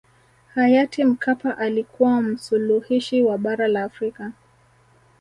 hayati mkapa alikuwa msuluhishi wa bara la afrika